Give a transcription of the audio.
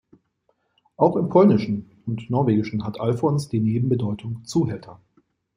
Auch im Polnischen und Norwegischen hat "Alfons" die Nebenbedeutung "Zuhälter".